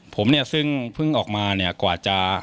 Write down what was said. ผมเนี่ยซึ่งเพิ่งออกมาเนี่ยกว่าจะ